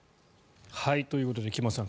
ということで菊間さん